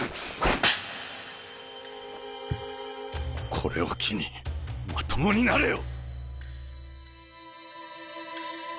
これを機にまともになれよ！